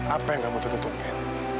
apa yang kamu tertutupin